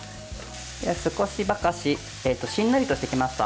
少しばかりしんなりしてきました。